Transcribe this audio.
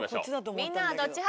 みんなはどっち派？